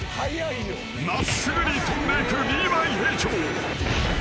［真っすぐに飛んでいくリヴァイ兵長］